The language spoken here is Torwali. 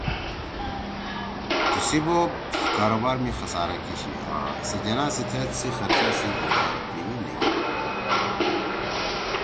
تیِسی بوپ کاروبار می خسارہ کیِشی آں سےجناح سی تھید سی خرچہ سی بیِڑا دُوئی نِیگھیِن بھؤدُود